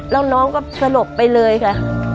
แล้วน้องก็สลบไปเลยค่ะ